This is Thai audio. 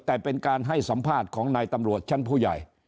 แต่เป็นการให้สัมภาษณ์ของนายตำรวจชั้นผู้ใหญ่